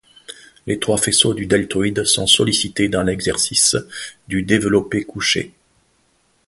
Les trois faisceaux du deltoïde sont sollicités dans l'exercice du développé couché.